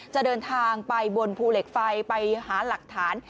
จะเดินทางไปบนภูเหล็กไฟไปหาหลักฐาน